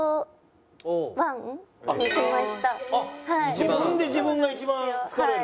自分で自分が一番疲れる？